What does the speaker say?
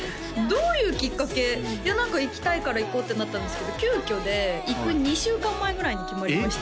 どういうきっかけいや何か行きたいから行こうってなったんですけど急きょで行く２週間前ぐらいに決まりました